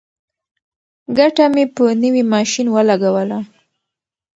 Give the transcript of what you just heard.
ګټه مې په نوي ماشین ولګوله.